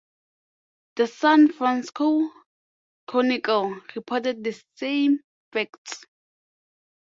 The "San Francisco Chronicle" reported the same facts.